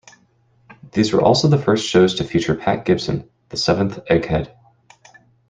These were also the first shows to feature Pat Gibson, the seventh Egghead.